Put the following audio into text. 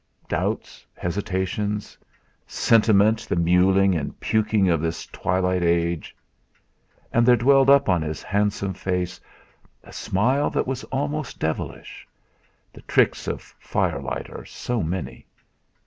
Doubts, hesitations, sentiment the muling and puking of this twilight age ! And there welled up on his handsome face a smile that was almost devilish the tricks of firelight are so many!